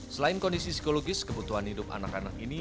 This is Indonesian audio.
selain kondisi psikologis kebutuhan hidup anak anak ini